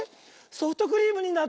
ソフトクリームになった！